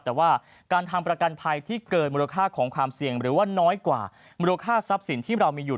แต่ว่าการทำประกันภัยที่เกินมูลค่าของความเสี่ยงหรือว่าน้อยกว่ามูลค่าทรัพย์สินที่เรามีอยู่